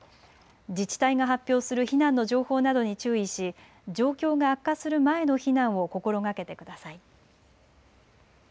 自治体が発表する避難の情報などに注意し状況が悪化する前の避難を心がけてください。